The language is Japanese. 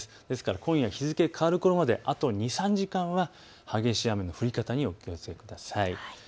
今夜、日付変わるころまであと２、３時間は激しい雨の降り方にお気をつけください。